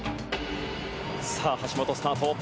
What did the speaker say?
さあ、橋本スタート。